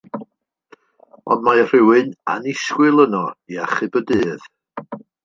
Ond mae rhywun annisgwyl yno i achub y dydd.